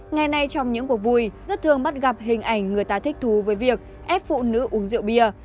ngày nay trong những cuộc vui rất thương bắt gặp hình ảnh người ta thích thú với việc ép phụ nữ uống rượu bia